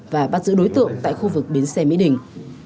và bắt giữ đối tượng tại khu vực bến xe mỹ đình